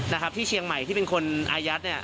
นะครับที่เชียงใหม่ที่เป็นคนอายัดเนี่ย